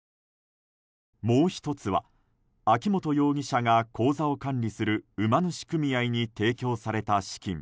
もう１つは秋本容疑者が口座を管理する馬主組合に提供された資金